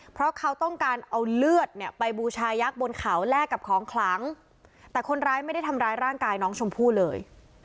เพราะเขาต้องการเอาเลือดเนี่ยไปบูชายักษ์บนเขาแลกกับของขลังแต่คนร้ายไม่ได้ทำร้ายร่างกายน้องชมพู่เลย